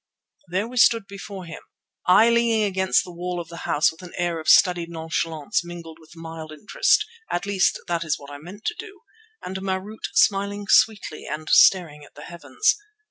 There we stood before him, I leaning against the wall of the house with an air of studied nonchalance mingled with mild interest, at least that is what I meant to do, and Marût smiling sweetly and staring at the heavens.